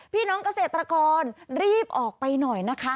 พี่น้องเกษตรกรรีบออกไปหน่อยนะคะ